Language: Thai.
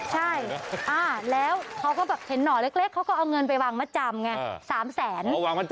เห็นหน่อเล็กเขาก็เอาเงินไปวางมาจำไง